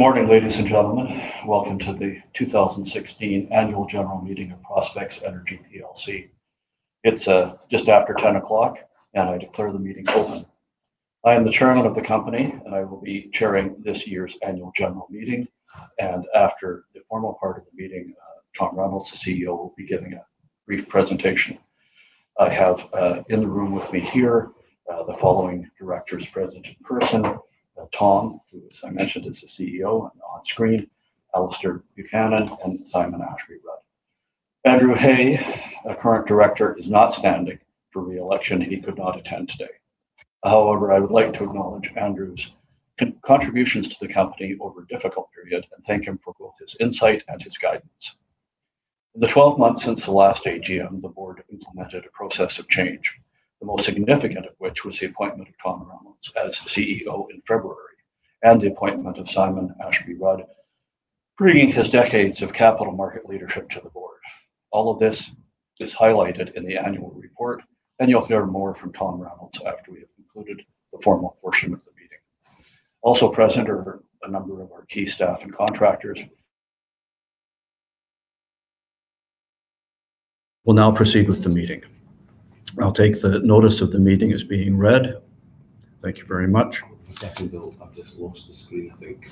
Good morning, ladies and gentlemen. Welcome to the 2016 annual general meeting of Prospex Energy plc. It is just after 10:00 A.M., I declare the meeting open. I am the Chairman of the company, I will be chairing this year's annual general meeting. After the formal part of the meeting, Tom Reynolds, the CEO, will be giving a brief presentation. I have in the room with me here the following directors present in person, Tom, who, as I mentioned, is the CEO and on screen, Alasdair Buchanan, and Simon Ashby-Rudd. Andrew Hay, a current director, is not standing for re-election. He could not attend today. However, I would like to acknowledge Andrew's contributions to the company over a difficult period and thank him for both his insight and his guidance. In the 12 months since the last AGM, the board implemented a process of change, the most significant of which was the appointment of Tom Reynolds as the CEO in February, the appointment of Simon Ashby-Rudd, bringing his decades of capital market leadership to the board. All of this is highlighted in the annual report, you will hear more from Tom Reynolds after we have concluded the formal portion of the meeting. Also present are a number of our key staff and contractors. We will now proceed with the meeting. I will take the notice of the meeting as being read. Thank you very much. One second, Bill. I have just lost the screen, I think.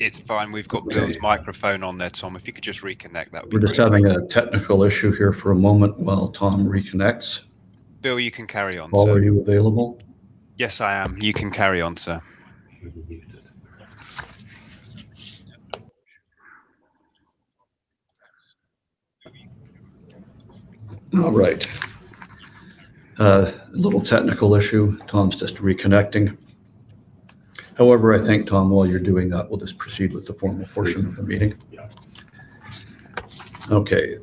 It is fine. We have got Bill's microphone on there, Tom. If you could just reconnect, that would be great. We're just having a technical issue here for a moment while Tom reconnects. Bill, you can carry on, sir. Paul, are you available? Yes, I am. You can carry on, sir. All right. A little technical issue. Tom's just reconnecting. I think, Tom, while you're doing that, we'll just proceed with the formal portion of the meeting. Yeah. Okay.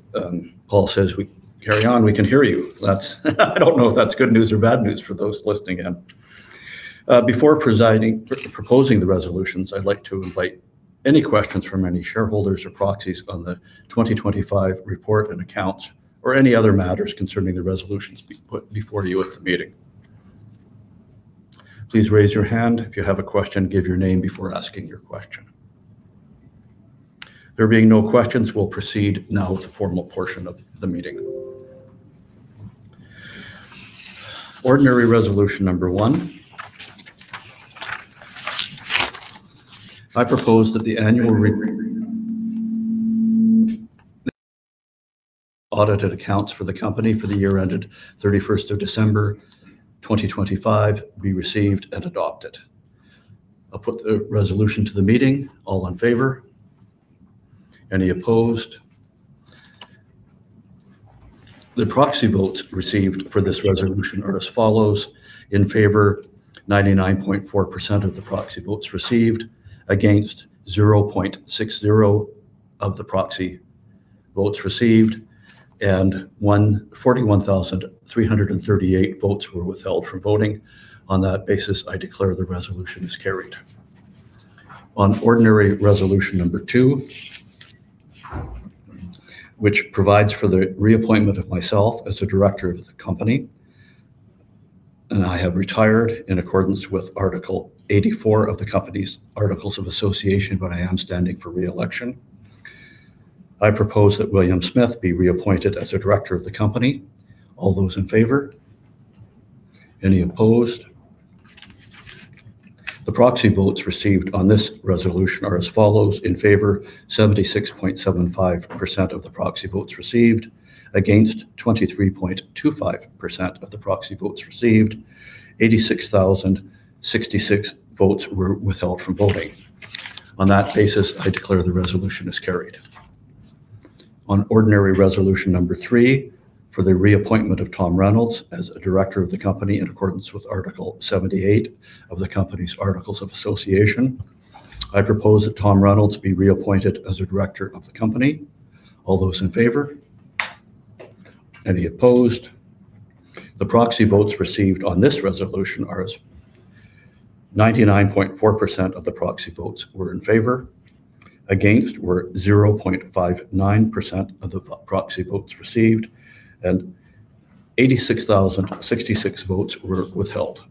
Paul says we carry on. We can hear you. I don't know if that's good news or bad news for those listening in. Before proposing the resolutions, I'd like to invite any questions from any shareholders or proxies on the 2025 report and accounts or any other matters concerning the resolutions being put before you at the meeting. Please raise your hand if you have a question, give your name before asking your question. There being no questions, we'll proceed now with the formal portion of the meeting. Ordinary resolution number one. I propose that the annual audited accounts for the company for the year ended 31st of December 2025 be received and adopted. I'll put the resolution to the meeting. All in favor? Any opposed? The proxy votes received for this resolution are as follows: in favor 99.4% of the proxy votes received, against 0.60% of the proxy votes received, and 41,338 votes were withheld from voting. On that basis, I declare the resolution is carried. On ordinary resolution number two, which provides for the reappointment of myself as a Director of the company, and I have retired in accordance with Article 84 of the company's articles of association, but I am standing for re-election. I propose that William Smith be reappointed as a director of the company. All those in favor? Any opposed? The proxy votes received on this resolution are as follows: in favor 76.75% of the proxy votes received, against 23.25% of the proxy votes received, 86,066 votes were withheld from voting. On that basis, I declare the resolution is carried. On ordinary resolution number three, for the reappointment of Tom Reynolds as a director of the company in accordance with Article 78 of the company's articles of association, I propose that Tom Reynolds be reappointed as a Director of the company. All those in favor? Any opposed? The proxy votes received on this resolution are as 99.4% of the proxy votes were in favor, against were 0.59% of the proxy votes received, and 86,066 votes were withheld.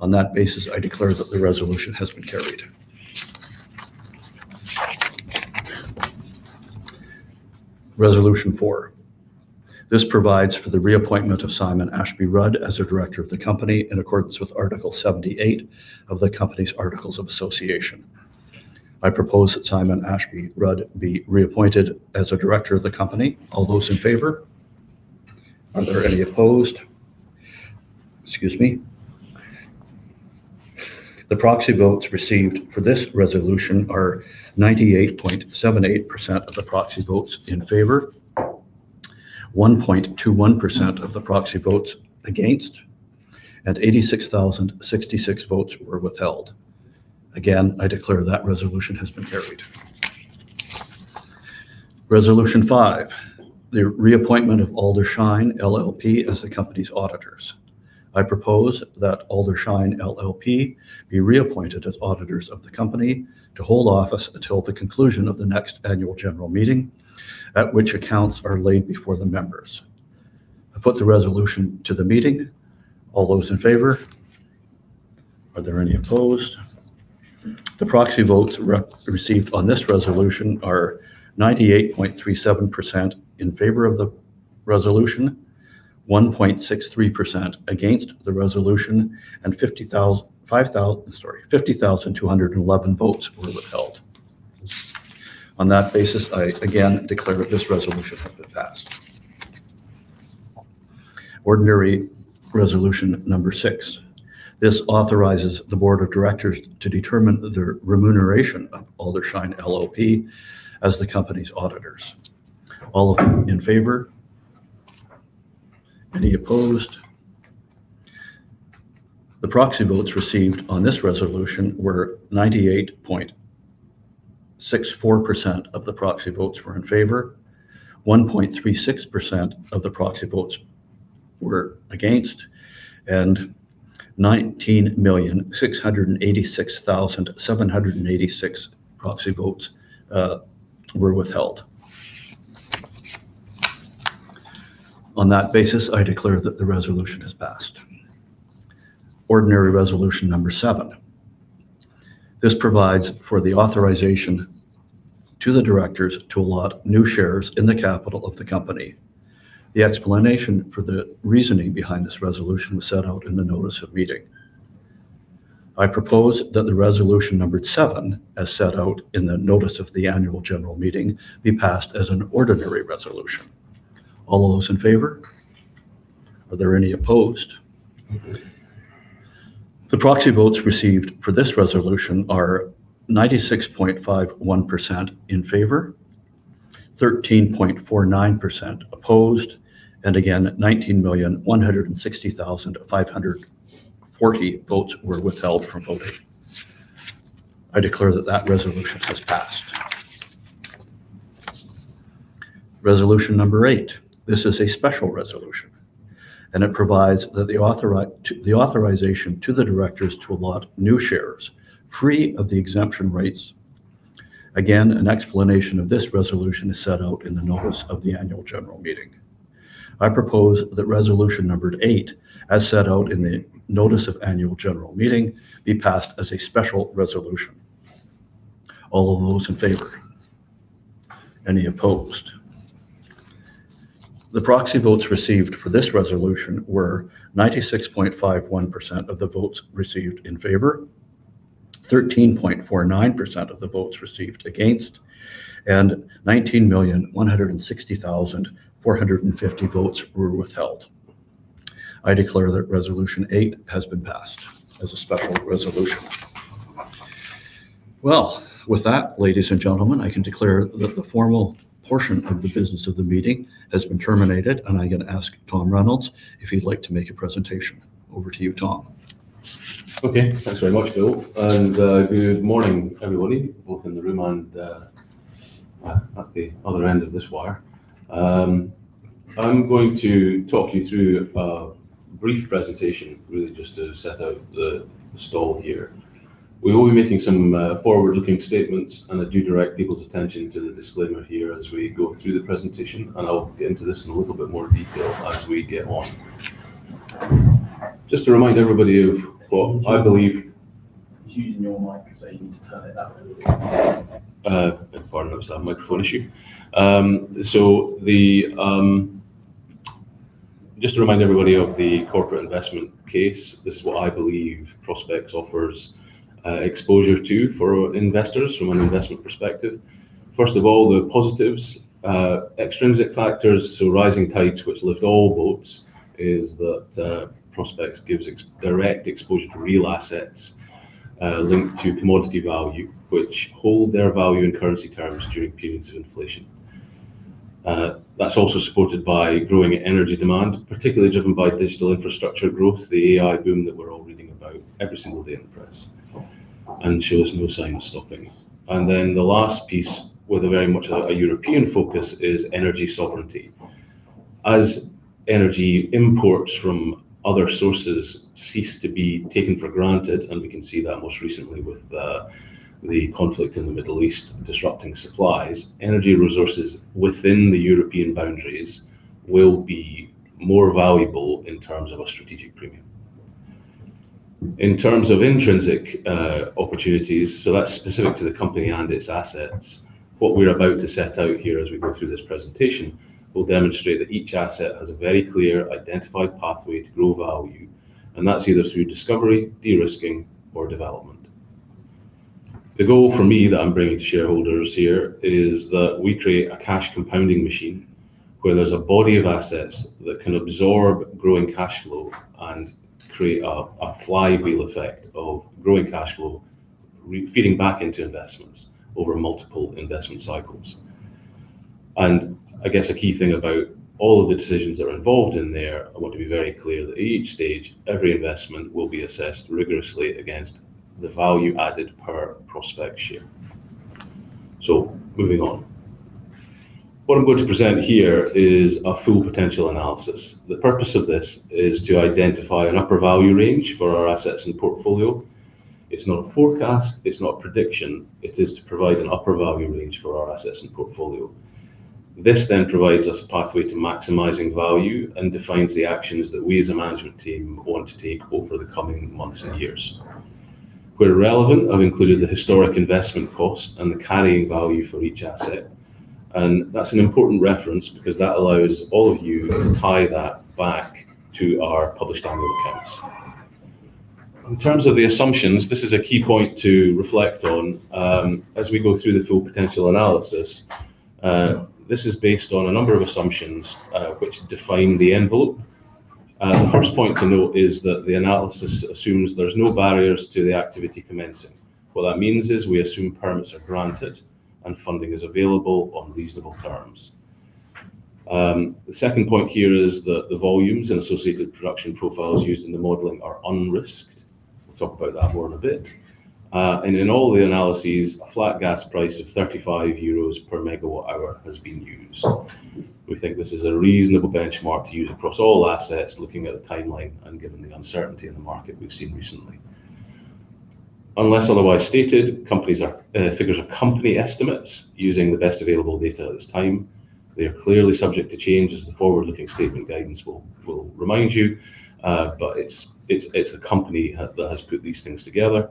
On that basis, I declare that the resolution has been carried. Resolution four. This provides for the reappointment of Simon Ashby-Rudd as a director of the company in accordance with Article 78 of the company's articles of association. I propose that Simon Ashby-Rudd be reappointed as a director of the company. All those in favor? Are there any opposed? Excuse me. The proxy votes received for this resolution are 98.78% of the proxy votes in favor, 1.21% of the proxy votes against, and 86,066 votes were withheld. Again, I declare that resolution has been carried. Resolution five, the reappointment of Adler Shine LLP as the company's auditors. I propose that Adler Shine LLP be reappointed as auditors of the company to hold office until the conclusion of the next Annual General Meeting at which accounts are laid before the members. I put the resolution to the meeting. All those in favor? Are there any opposed? The proxy votes received on this resolution are 98.37% in favor of the resolution, 1.63% against the resolution, and 50,211 votes were withheld. On that basis, I again declare that this resolution has been passed. Ordinary Resolution number six. This authorizes the board of directors to determine the remuneration of Adler Shine LLP as the company's auditors. All of those in favor? Any opposed? The proxy votes received on this resolution were 98.64% of the proxy votes were in favor, 1.36% of the proxy votes were against, and 19,686,786 proxy votes were withheld. On that basis, I declare that the resolution has passed. Ordinary Resolution 7. This provides for the authorization to the directors to allot new shares in the capital of the company. The explanation for the reasoning behind this resolution was set out in the notice of meeting. I propose that the Resolution numbere seven, as set out in the notice of the Annual General Meeting, be passed as an ordinary resolution. All those in favor? Are there any opposed? The proxy votes received for this resolution are 96.51% in favor, 13.49% opposed, and again, 19,160,540 votes were withheld from voting. I declare that that resolution has passed. Resolution number eight. This is a special resolution. It provides the authorization to the directors to allot new shares free of the exemption rates. Again, an explanation of this resolution is set out in the notice of the Annual General Meeting. I propose that resolution numbered eight, as set out in the notice of Annual General Meeting, be passed as a special resolution. All of those in favor? Any opposed? The proxy votes received for this resolution were 96.51% of the votes received in favor, 13.49% of the votes received against, and 19,160,450 votes were withheld. I declare that resolution eight has been passed as a special resolution. Well, with that, ladies and gentlemen, I can declare that the formal portion of the business of the meeting has been terminated, and I'm going to ask Tom Reynolds if he'd like to make a presentation. Over to you, Tom. Okay. Thanks very much, Bill. Good morning, everybody, both in the room and at the other end of this wire. I'm going to talk you through a brief presentation, really just to set out the stall here. We will be making some forward-looking statements. I do direct people's attention to the disclaimer here as we go through the presentation. I'll get into this in a little bit more detail as we get on. Just to remind everybody of He's using your mic, so you need to turn it up a little bit. Apologies for that. Microphone issue. Just to remind everybody of the corporate investment case, this is what I believe Prospex offers exposure to for investors from an investment perspective. First of all, the positives. Extrinsic factors, rising tides, which lift all boats, is that Prospex gives direct exposure to real assets linked to commodity value, which hold their value in currency terms during periods of inflation. That's also supported by growing energy demand, particularly driven by digital infrastructure growth, the AI boom that we're all reading about every single day in the press, and shows no signs of stopping. The last piece, with very much a European focus, is energy sovereignty. As energy imports from other sources cease to be taken for granted, and we can see that most recently with the conflict in the Middle East disrupting supplies, energy resources within the European boundaries will be more valuable in terms of a strategic premium. In terms of intrinsic opportunities, so that's specific to the company and its assets. What we're about to set out here as we go through this presentation will demonstrate that each asset has a very clear identified pathway to grow value, and that's either through discovery, de-risking, or development. The goal for me that I'm bringing to shareholders here is that we create a cash compounding machine, where there's a body of assets that can absorb growing cash flow and create a flywheel effect of growing cash flow, feeding back into investments over multiple investment cycles. I guess a key thing about all of the decisions that are involved in there, I want to be very clear that at each stage, every investment will be assessed rigorously against the value added per Prospex share. Moving on. What I'm going to present here is a full potential analysis. The purpose of this is to identify an upper value range for our assets and portfolio. It's not a forecast, it's not a prediction. It is to provide an upper value range for our assets and portfolio. This provides us a pathway to maximizing value and defines the actions that we as a management team want to take over the coming months and years. Where relevant, I've included the historic investment cost and the carrying value for each asset. That's an important reference because that allows all of you to tie that back to our published annual accounts. In terms of the assumptions, this is a key point to reflect on as we go through the full potential analysis. This is based on a number of assumptions, which define the envelope. The first point to note is that the analysis assumes there's no barriers to the activity commencing. What that means is we assume permits are granted and funding is available on reasonable terms. The second point here is that the volumes and associated production profiles used in the modeling are unrisked. We'll talk about that more in a bit. In all the analyses, a flat gas price of 35 euros per megawatt hour has been used. We think this is a reasonable benchmark to use across all assets looking at the timeline and given the uncertainty in the market we've seen recently. Unless otherwise stated, figures are company estimates using the best available data at this time. They are clearly subject to change, as the forward-looking statement guidance will remind you. It's the company that has put these things together.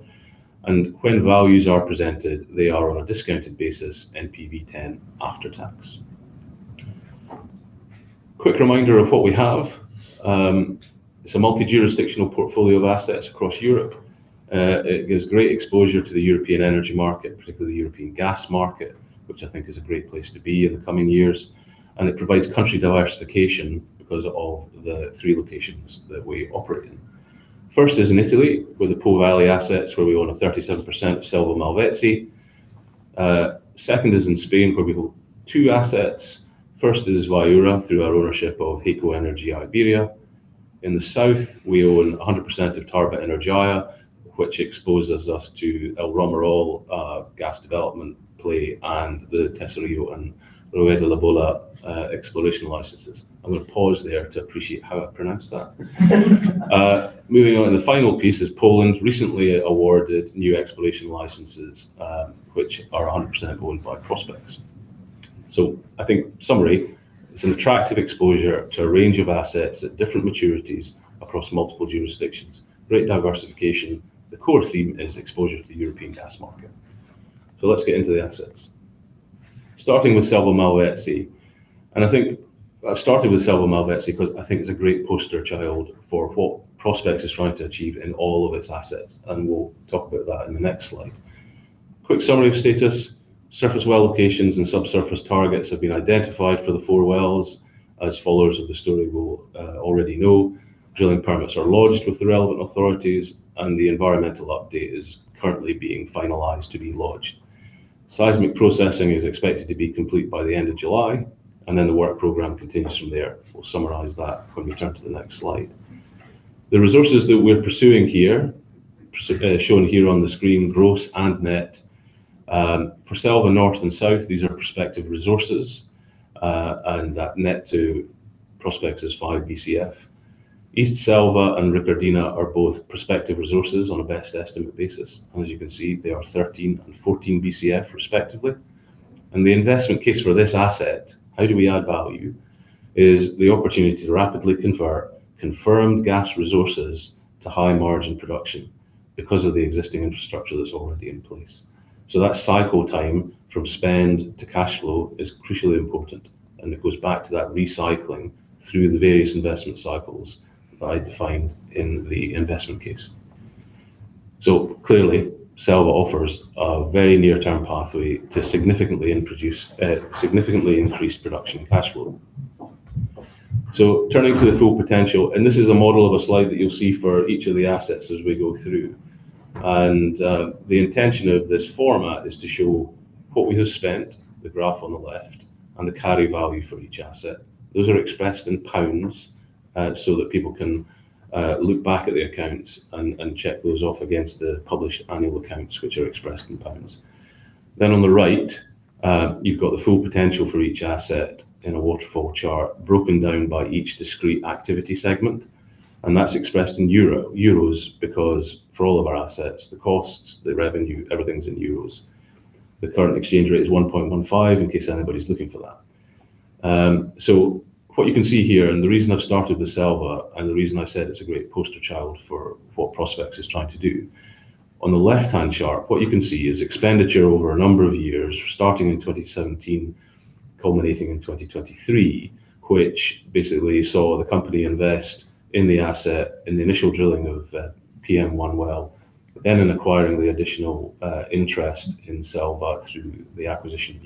When values are presented, they are on a discounted basis, NPV10 after tax. Quick reminder of what we have. It's a multi-jurisdictional portfolio of assets across Europe. It gives great exposure to the European energy market, particularly the European gas market, which I think is a great place to be in the coming years. It provides country diversification because of the three locations that we operate in. First is in Italy with the Po Valley assets where we own a 37% of Selva Malvezzi. Second is in Spain, where we hold two assets. First is Viura through our ownership of HEYCO Energy Iberia. In the south, we own 100% of Tarba Energía, which exposes us to El Romeral gas development play and the Tesorillo and Ruedalabola exploration licenses. I'm going to pause there to appreciate how I pronounced that. Moving on. The final piece is Poland recently awarded new exploration licenses, which are 100% owned by Prospex. I think, summary, it's an attractive exposure to a range of assets at different maturities across multiple jurisdictions. Great diversification. The core theme is exposure to the European gas market. Let's get into the assets. Starting with Selva Malvezzi, I think I've started with Selva Malvezzi because I think it's a great poster child for what Prospex is trying to achieve in all of its assets, we'll talk about that in the next slide. Quick summary of status. Surface well locations and subsurface targets have been identified for the four wells. As followers of the story will already know, drilling permits are lodged with the relevant authorities, the environmental update is currently being finalized to be lodged. Seismic processing is expected to be complete by the end of July, the work program continues from there. We'll summarize that when we turn to the next slide. The resources that we're pursuing here, shown here on the screen, gross and net. For Selva north and south, these are prospective resources, that net to Prospex is 5 BCF. East Selva and Riccardina are both prospective resources on a best estimate basis. As you can see, they are 13 and 14 BCF respectively. The investment case for this asset, how do we add value, is the opportunity to rapidly convert confirmed gas resources to high-margin production because of the existing infrastructure that's already in place. That cycle time from spend to cash flow is crucially important, it goes back to that recycling through the various investment cycles that I defined in the investment case. Clearly, Selva offers a very near-term pathway to significantly increase production cash flow. Turning to the full potential, this is a model of a slide that you'll see for each of the assets as we go through. The intention of this format is to show what we have spent, the graph on the left, the carry value for each asset. Those are expressed in pounds so that people can look back at the accounts and check those off against the published annual accounts, which are expressed in pounds. On the right, you've got the full potential for each asset in a waterfall chart broken down by each discrete activity segment. That's expressed in euros because for all of our assets, the costs, the revenue, everything's in euros. The current exchange rate is 1.15 in case anybody's looking for that. What you can see here and the reason I've started with Selva and the reason I said it's a great poster child for what Prospex is trying to do, on the left-hand chart, what you can see is expenditure over a number of years starting in 2017, culminating in 2023, which basically saw the company invest in the asset in the initial drilling of PM-1 well, then in acquiring the additional interest in Selva through the acquisition of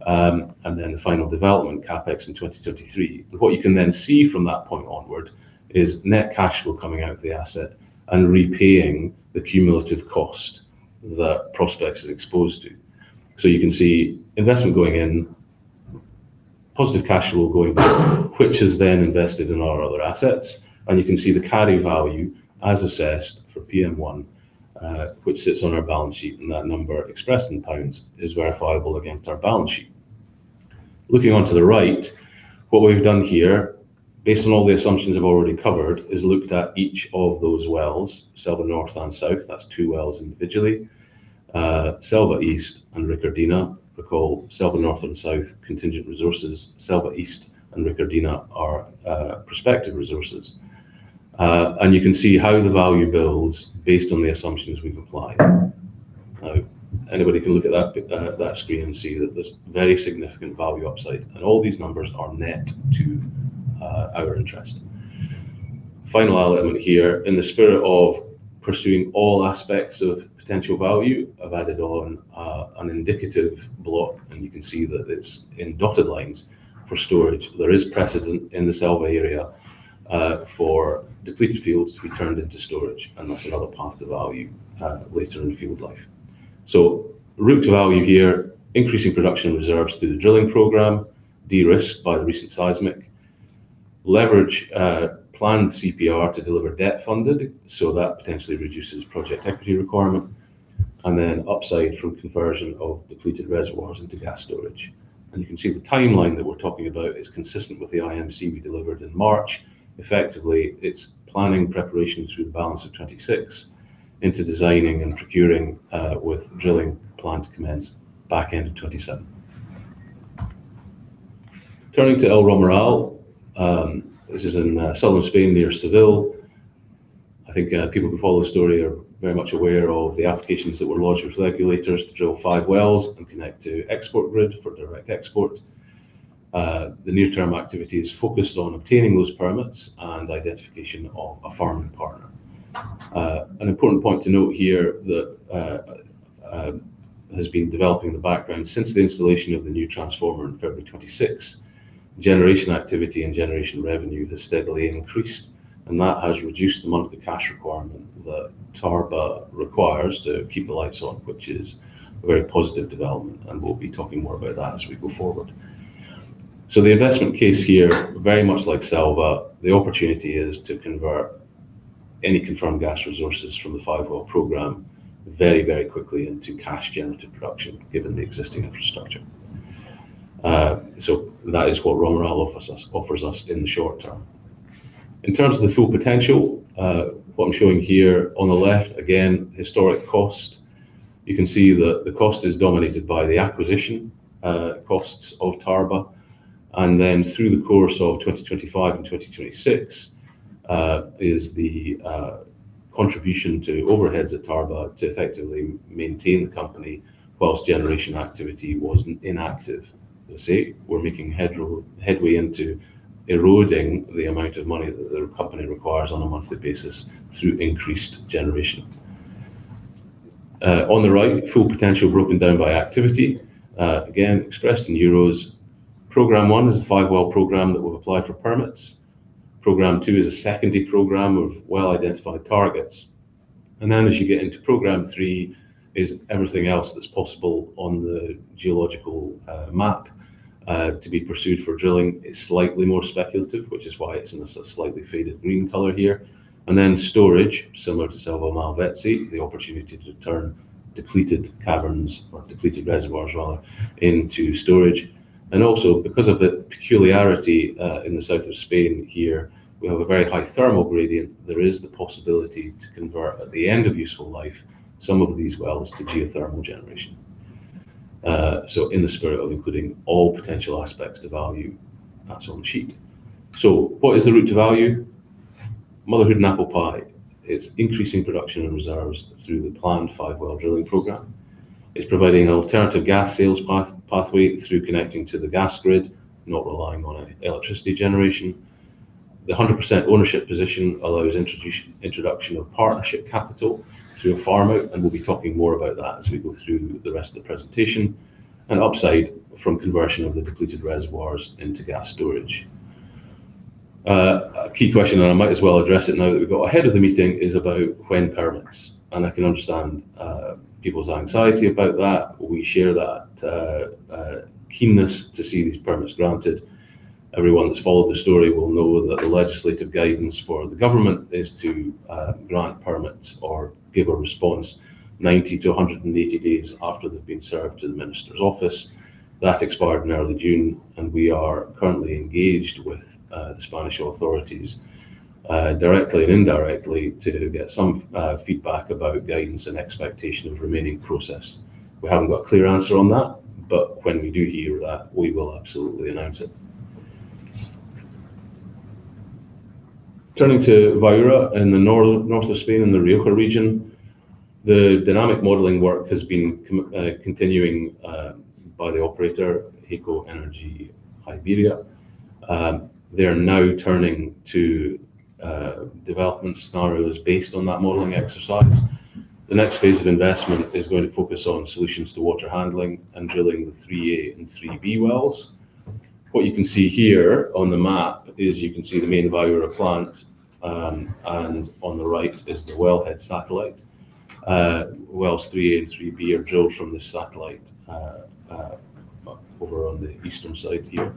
UOG, and then the final development CapEx in 2023. What you can then see from that point onward is net cash flow coming out of the asset and repaying the cumulative cost that Prospex is exposed to. You can see investment going in, positive cash flow going out, which is then invested in our other assets. You can see the carry value as assessed for PM-1, which sits on our balance sheet. That number expressed in GBP is verifiable against our balance sheet. Looking onto the right, what we've done here, based on all the assumptions we've already covered, is looked at each of those wells, Selva North and South, that's two wells individually. Selva East and Riccardina. Recall Selva North and South contingent resources, Selva East and Riccardina are prospective resources. You can see how the value builds based on the assumptions we've applied. Now anybody can look at that screen and see that there's very significant value upside, and all these numbers are net to our interest. Final element here, in the spirit of pursuing all aspects of potential value, I've added on an indicative block, and you can see that it's in dotted lines for storage. There is precedent in the Selva area for depleted fields to be turned into storage, that's another path to value later in field life. Route to value here, increasing production reserves through the drilling program, de-risk by the recent seismic. Leverage planned CPR to deliver debt-funded, that potentially reduces project equity requirement, then upside from conversion of depleted reservoirs into gas storage. You can see the timeline that we're talking about is consistent with the IMC we delivered in March. Effectively, it's planning preparation through the balance of 2026 into designing and procuring, with drilling planned to commence back end of 2027. Turning to El Romeral, this is in southern Spain, near Seville. I think people who follow the story are very much aware of the applications that were lodged with regulators to drill five wells and connect to export grid for direct export. The near-term activity is focused on obtaining those permits and identification of a farming partner. An important point to note here that has been developing in the background since the installation of the new transformer in February 2026, generation activity and generation revenue has steadily increased, that has reduced the monthly cash requirement that Tarba requires to keep the lights on, which is a very positive development, we'll be talking more about that as we go forward. The investment case here, very much like Selva, the opportunity is to convert any confirmed gas resources from the five-well program very quickly into cash generative production given the existing infrastructure. That is what Romeral offers us in the short term. In terms of the full potential, what I'm showing here on the left, again, historic cost. You can see that the cost is dominated by the acquisition costs of Tarba, then through the course of 2025 and 2026, is the contribution to overheads at Tarba to effectively maintain the company whilst generation activity was inactive. You see, we're making headway into eroding the amount of money that the company requires on a monthly basis through increased generation. On the right, full potential broken down by activity, again, expressed in EUR. Program one is the five-well program that we've applied for permits. Program two is a secondary program of well-identified targets. As you get into program three is everything else that's possible on the geological map to be pursued for drilling is slightly more speculative, which is why it's in a slightly faded green color here. Storage, similar to Selva Malvezzi, the opportunity to turn depleted caverns or depleted reservoirs rather, into storage. Also because of the peculiarity in the south of Spain here, we have a very high thermal gradient. There is the possibility to convert, at the end of useful life, some of these wells to geothermal generation. In the spirit of including all potential aspects to value, that's on the sheet. What is the route to value? Motherhood and apple pie. It's increasing production and reserves through the planned five-well drilling program. It's providing an alternative gas sales pathway through connecting to the gas grid, not relying on electricity generation. The 100% ownership position allows introduction of partnership capital through a farm out, and we'll be talking more about that as we go through the rest of the presentation, and upside from conversion of the depleted reservoirs into gas storage. A key question, and I might as well address it now that we've got ahead of the meeting, is about when permits, and I can understand people's anxiety about that. We share that keenness to see these permits granted. Everyone that's followed the story will know that the legislative guidance for the government is to grant permits or give a response 90 to 180 days after they've been served to the minister's office. That expired in early June, and we are currently engaged with the Spanish authorities, directly and indirectly to get some feedback about guidance and expectation of remaining process. We haven't got a clear answer on that, when we do hear that, we will absolutely announce it. Turning to Viura in the north of Spain in the Rioja region. The dynamic modeling work has been continuing by the operator, HEYCO Energy Iberia. They are now turning to development scenarios based on that modeling exercise. The next phase of investment is going to focus on solutions to water handling and drilling the 3A and 3B wells. What you can see here on the map is you can see the main Viura plant, and on the right is the wellhead satellite. Wells 3A and 3B are drilled from the satellite over on the eastern side here.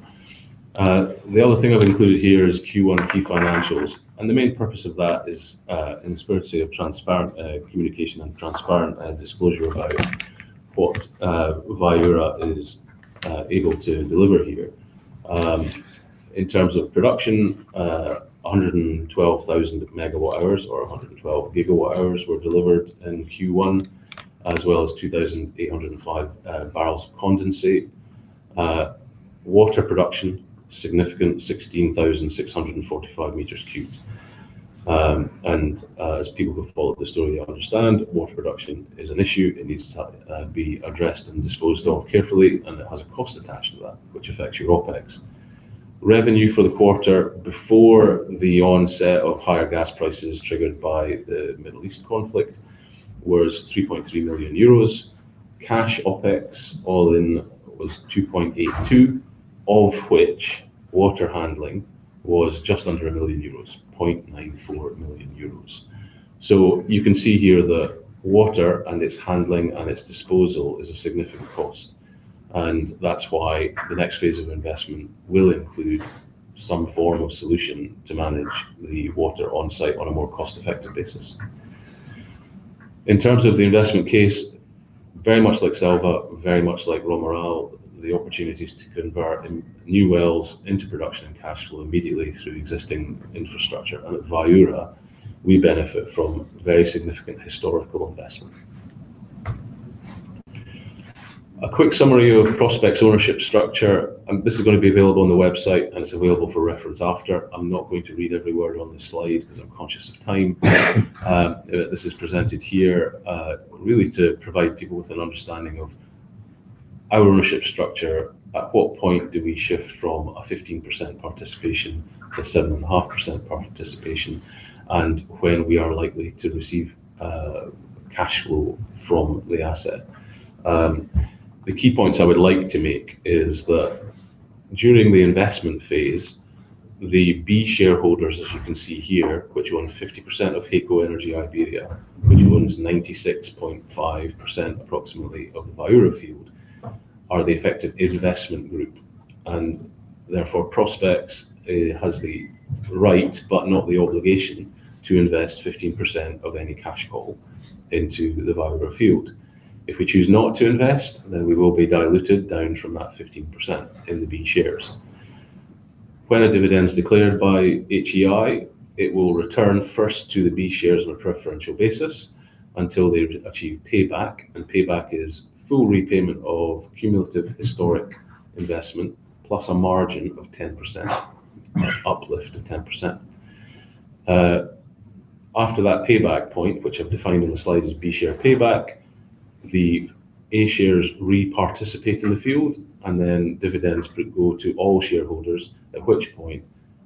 The other thing I've included here is Q1 key financials. The main purpose of that is in the spirit of transparent communication and transparent disclosure about what Viura is able to deliver here. In terms of production, 112,000 MWh or 112 GWh were delivered in Q1, as well as 2,805 bbl of condensate. Water production, significant 16,645 m cubed. As people who followed the story understand, water production is an issue. It needs to be addressed and disposed of carefully, and it has a cost attached to that, which affects your OpEx. Revenue for the quarter before the onset of higher gas prices triggered by the Middle East conflict was 3.3 million euros. Cash OPEX all-in was 2.82, of which water handling was just under 1 million euros, 0.94 million euros. You can see here the water and its handling and its disposal is a significant cost, and that's why the next phase of investment will include some form of solution to manage the water on-site on a more cost-effective basis. In terms of the investment case, very much like Selva, very much like El Romeral, the opportunities to convert new wells into production and cash flow immediately through existing infrastructure. At Viura, we benefit from very significant historical investment. A quick summary of Prospex ownership structure. This is going to be available on the website, and it's available for reference after. I'm not going to read every word on this slide because I'm conscious of time. This is presented here really to provide people with an understanding of our ownership structure. At what point do we shift from a 15% participation to 7.5% participation, and when we are likely to receive cash flow from the asset? The key points I would like to make is that during the investment phase, the B shareholders, as you can see here, which own 50% of HEYCO Energy Iberia, which owns 96.5% approximately of the Viura field, are the effective investment group. Therefore Prospex has the right, but not the obligation, to invest 15% of any cash call into the Viura field. If we choose not to invest, then we will be diluted down from that 15% in the B shares. When a dividend is declared by HEI, it will return first to the B shares on a preferential basis until they've achieved payback, and payback is full repayment of cumulative historic investment, plus a margin of 10%, uplift of 10%. After that payback point, which I've defined on the slide as B share payback, the A shares re-participate in the field and then dividends go to all shareholders, at which point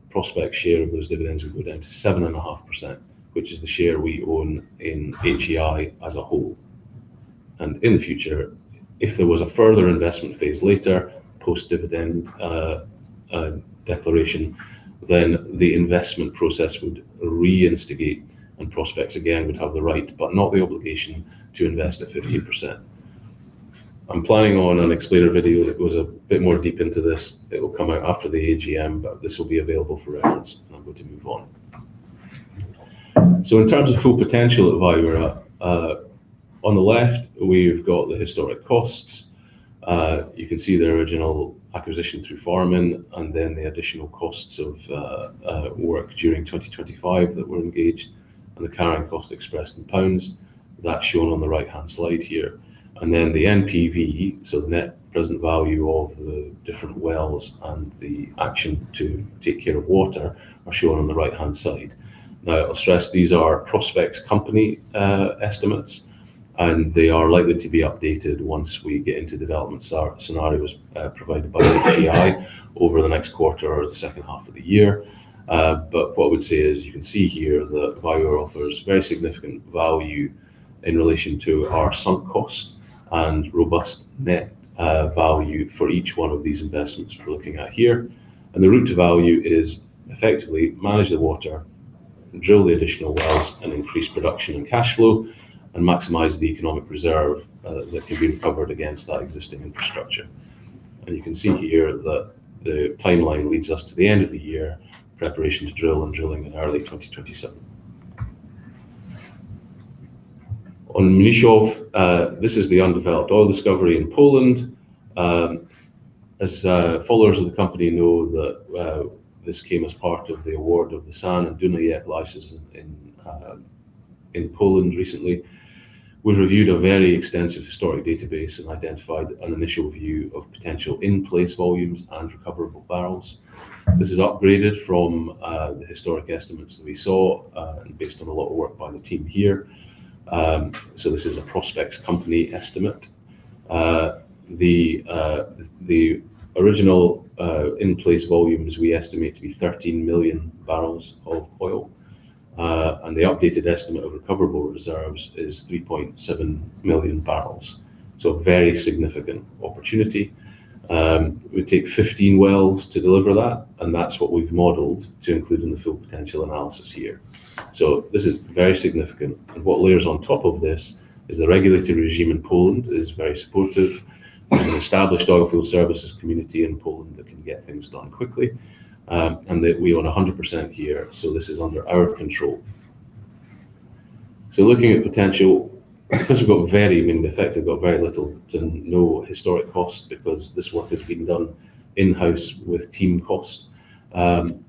Prospex' share of those dividends would go down to 7.5%, which is the share we own in HEI as a whole. In the future, if there was a further investment phase later, post-dividend declaration, then the investment process would reinstigate and Prospex again would have the right, but not the obligation, to invest at 15%. I'm planning on an explainer video that goes a bit more deep into this. It'll come out after the AGM, but this will be available for reference, and I'm going to move on. In terms of full potential at Viura, on the left we've got the historic costs. You can see the original acquisition through farm-in, the additional costs of work during 2025 that were engaged, and the carrying cost expressed in GBP. That's shown on the right-hand slide here. The NPV, so the net present value of the different wells and the action to take care of water are shown on the right-hand side. I'll stress these are Prospex company estimates, and they are likely to be updated once we get into development scenarios provided by HEI over the next quarter or the second half of the year. What I would say is you can see here that Viura offers very significant value in relation to our sunk cost and robust net value for each one of these investments we're looking at here. The route to value is effectively manage the water, drill the additional wells, increase production and cash flow, and maximize the economic reserve that can be recovered against that existing infrastructure. You can see here that the timeline leads us to the end of the year, preparation to drill and drilling in early 2027. On Mniszów, this is the undeveloped oil discovery in Poland. As followers of the company know that this came as part of the award of the San and Dunajec licenses in Poland recently. We've reviewed a very extensive historic database and identified an initial view of potential in-place volumes and recoverable barrels. This is upgraded from the historic estimates that we saw, and based on a lot of work by the team here. This is a Prospex company estimate. The original in-place volume is we estimate to be 13 million barrels of oil. The updated estimate of recoverable reserves is 3.7 million barrels. A very significant opportunity. It would take 15 wells to deliver that. That's what we've modeled to include in the full potential analysis here. This is very significant, and what layers on top of this is the regulatory regime in Poland is very supportive. There's an established oilfield services community in Poland that can get things done quickly, and that we own 100% here, this is under our control. Looking at potential, because we've got very little to no historic cost, because this work has been done in-house with team cost. The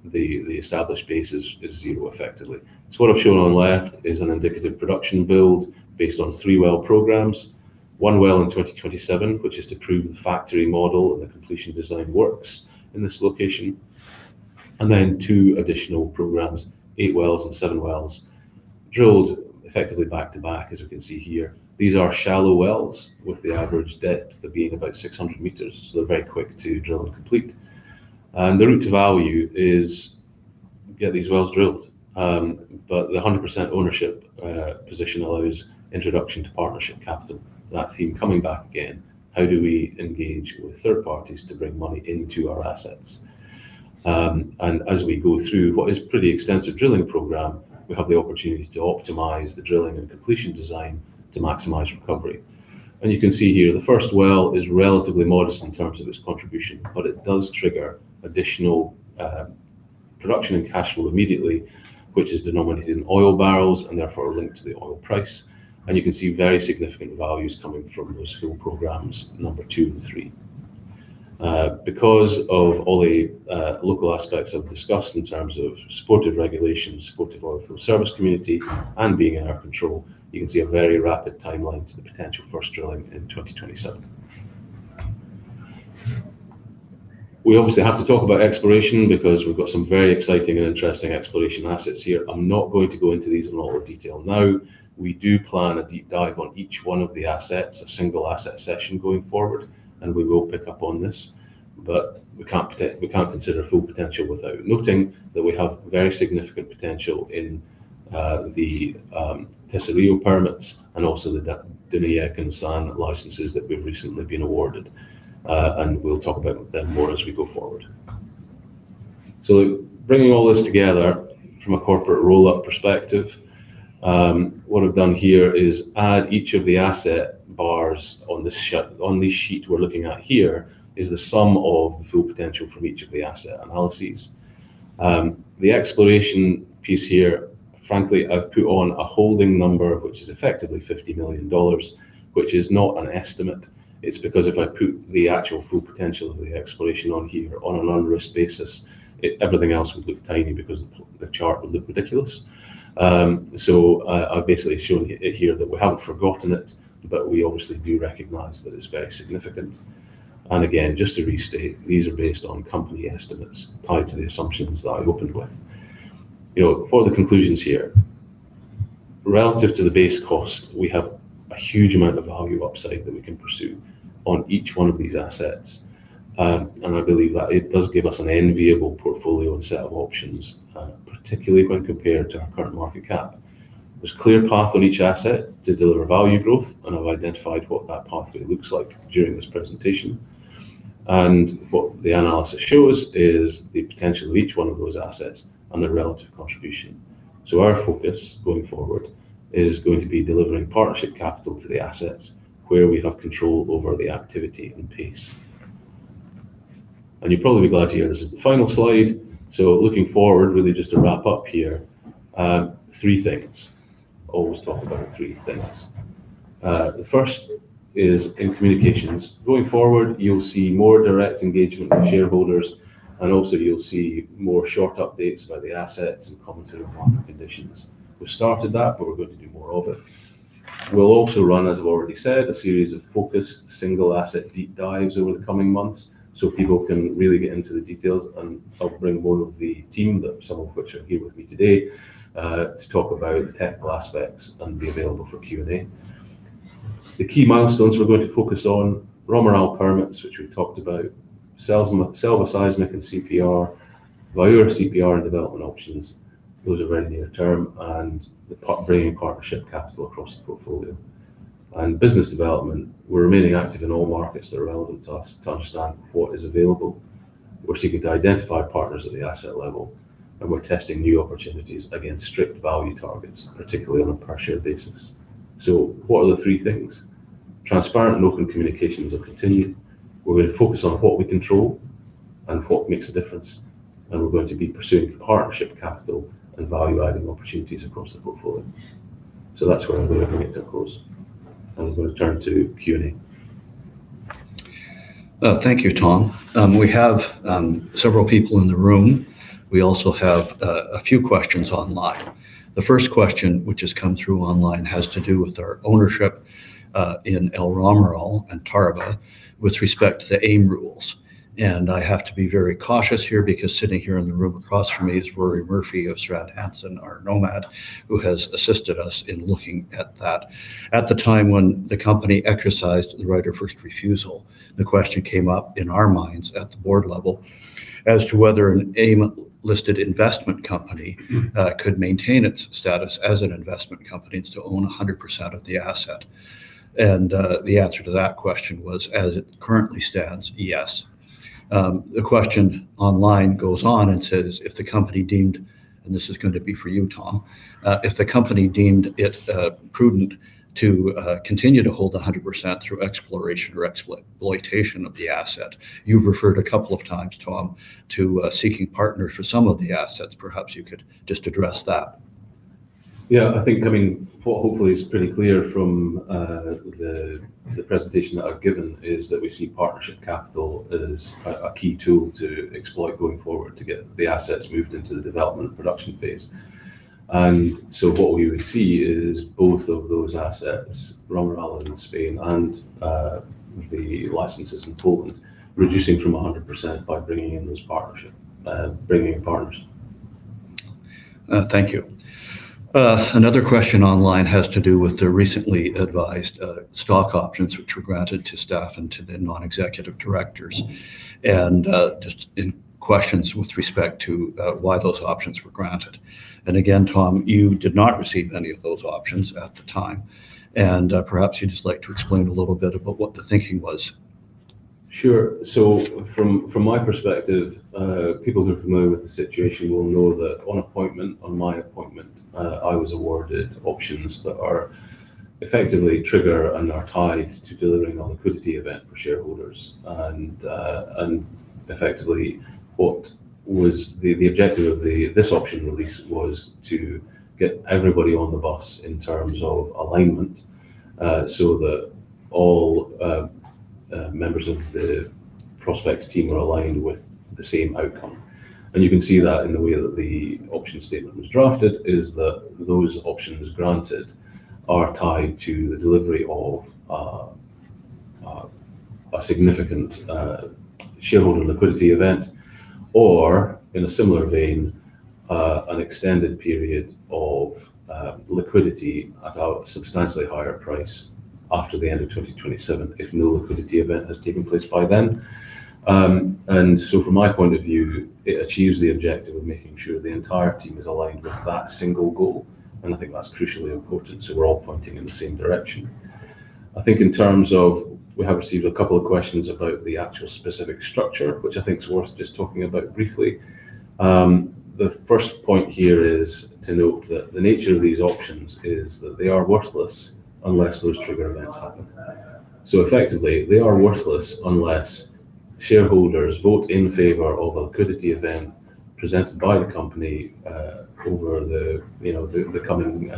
established base is zero effectively. What I've shown on left is an indicative production build based on three well programs. One well in 2027, which is to prove the factory model and the completion design works in this location. Two additional programs, eight wells and seven wells drilled effectively back to back, as we can see here. These are shallow wells with the average depth of being about 600 m. They're very quick to drill and complete. The route to value is get these wells drilled. The 100% ownership position allows introduction to partnership capital. That theme coming back again, how do we engage with third parties to bring money into our assets? As we go through what is pretty extensive drilling program, we have the opportunity to optimize the drilling and completion design to maximize recovery. You can see here the first well is relatively modest in terms of its contribution, but it does trigger additional production and cash flow immediately, which is denominated in oil barrels and therefore are linked to the oil price. You can see very significant values coming from those field programs, number two and three. Because of all the local aspects I've discussed in terms of supportive regulations, supportive oilfield service community, and being in our control, you can see a very rapid timeline to the potential first drilling in 2027. We obviously have to talk about exploration because we've got some very exciting and interesting exploration assets here. I'm not going to go into these in a lot of detail now. We do plan a deep dive on each one of the assets, a single asset session going forward, and we will pick up on this. We can't consider full potential without noting that we have very significant potential in the Tesorillo permits and also the Dymia and San licenses that we've recently been awarded. We'll talk about them more as we go forward. Bringing all this together from a corporate roll-up perspective, what I've done here is add each of the asset bars on this sheet we're looking at here is the sum of the full potential from each of the asset analyses. The exploration piece here, frankly, I've put on a holding number, which is effectively EUR 50 million, which is not an estimate. It's because if I put the actual full potential of the exploration on here on an unrisked basis, everything else would look tiny because the chart would look ridiculous. I've basically shown you here that we haven't forgotten it, but we obviously do recognize that it's very significant. Again, just to restate, these are based on company estimates tied to the assumptions that I opened with. For the conclusions here, relative to the base cost, we have a huge amount of value upside that we can pursue on each one of these assets. I believe that it does give us an enviable portfolio and set of options, particularly when compared to our current market cap. There's a clear path on each asset to deliver value growth, and I've identified what that pathway looks like during this presentation. What the analysis shows is the potential of each one of those assets and their relative contribution. Our focus going forward is going to be delivering partnership capital to the assets where we have control over the activity and pace. You'll probably be glad to hear this is the final slide. Looking forward, really just to wrap up here, three things. Always talk about three things. The first is in communications. Going forward, you'll see more direct engagement with shareholders, also you'll see more short updates about the assets and commentary on market conditions. We've started that, we're going to do more of it. We'll also run, as I've already said, a series of focused single asset deep dives over the coming months so people can really get into the details, and I'll bring one of the team, some of which are here with me today, to talk about the technical aspects and be available for Q&A. The key milestones we're going to focus on, Romeral permits, which we talked about, Selva seismic and CPR, Viura CPR and development options. Those are very near term, bringing partnership capital across the portfolio. Business development, we're remaining active in all markets that are relevant to us to understand what is available. We're seeking to identify partners at the asset level, we're testing new opportunities against strict value targets, particularly on a per share basis. What are the three things? Transparent and open communications will continue. We're going to focus on what we control and what makes a difference, we're going to be pursuing partnership capital and value-adding opportunities across the portfolio. That's where I'm going to bring it to a close, I'm going to turn to Q&A. Thank you, Tom. We have several people in the room. We also have a few questions online. The first question, which has come through online, has to do with our ownership, in El Romeral and Tarba with respect to the AIM rules. I have to be very cautious here because sitting here in the room across from me is Rory Murphy of Strand Hanson, our Nomad, who has assisted us in looking at that. At the time when the company exercised the right of first refusal, the question came up in our minds at the board level as to whether an AIM-listed investment company could maintain its status as an investment company and still own 100% of the asset. The answer to that question was, as it currently stands, yes. The question online goes on and says, this is going to be for you, Tom. If the company deemed it prudent to continue to hold 100% through exploration or exploitation of the asset, you've referred a couple of times, Tom, to seeking partners for some of the assets. Perhaps you could just address that. Yeah. I think what hopefully is pretty clear from the presentation that I've given is that we see partnership capital as a key tool to exploit going forward to get the assets moved into the development and production phase. What we would see is both of those assets, Romeral in Spain and the licenses in Poland, reducing from 100% by bringing in partners. Thank you. Another question online has to do with the recently advised stock options which were granted to staff and to the non-executive directors, just in questions with respect to why those options were granted. Again, Tom, you did not receive any of those options at the time. Perhaps you'd just like to explain a little bit about what the thinking was. Sure. From my perspective, people who are familiar with the situation will know that on my appointment, I was awarded options that are effectively trigger and are tied to delivering a liquidity event for shareholders. Effectively, the objective of this option release was to get everybody on the bus in terms of alignment, so that all members of the Prospex team are aligned with the same outcome. You can see that in the way that the option statement was drafted is that those options granted are tied to the delivery of a significant shareholder liquidity event, or in a similar vein, an extended period of liquidity at a substantially higher price after the end of 2027 if no liquidity event has taken place by then. From my point of view, it achieves the objective of making sure the entire team is aligned with that single goal, and I think that's crucially important so we're all pointing in the same direction. I think in terms of, we have received a couple of questions about the actual specific structure, which I think is worth just talking about briefly. The first point here is to note that the nature of these options is that they are worthless unless those trigger events happen. Effectively, they are worthless unless shareholders vote in favor of a liquidity event presented by the company over the coming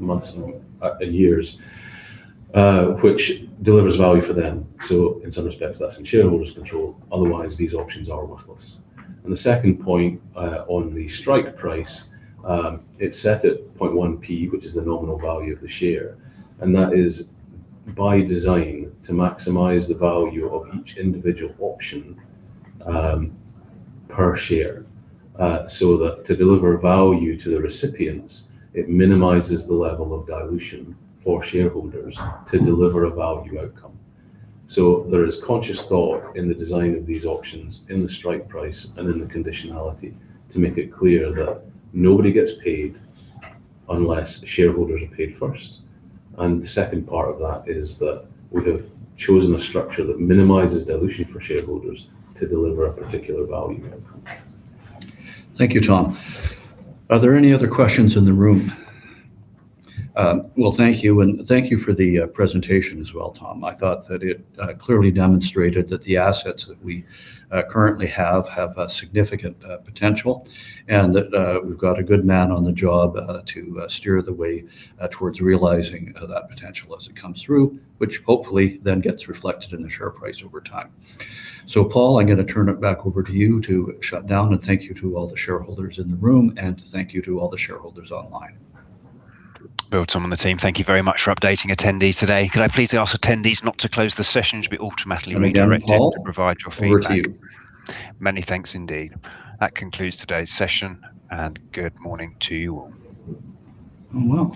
months and years, which delivers value for them. In some respects, that's in shareholders' control, otherwise these options are worthless. The second point, on the strike price, it's set at 0.1, which is the nominal value of the share. That is by design to maximize the value of each individual option per share, so that to deliver value to the recipients, it minimizes the level of dilution for shareholders to deliver a value outcome. There is conscious thought in the design of these options, in the strike price, and in the conditionality to make it clear that nobody gets paid unless shareholders are paid first. The second part of that is that we've chosen a structure that minimizes dilution for shareholders to deliver a particular value outcome. Thank you, Tom. Are there any other questions in the room? Well, thank you, and thank you for the presentation as well, Tom. I thought that it clearly demonstrated that the assets that we currently have have a significant potential, and that we've got a good man on the job to steer the way towards realizing that potential as it comes through, which hopefully then gets reflected in the share price over time. Paul, I'm going to turn it back over to you to shut down, and thank you to all the shareholders in the room, and thank you to all the shareholders online. Bill, Tom, and the team, thank you very much for updating attendees today. Could I please ask attendees not to close the session? You should be automatically redirected to provide your feedback. Paul over to you. Many thanks indeed. That concludes today's session, and good morning to you all. Oh, wow.